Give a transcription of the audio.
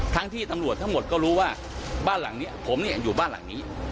ที่ตำรวจทั้งหมดก็รู้ว่าบ้านหลังนี้ผมเนี่ยอยู่บ้านหลังนี้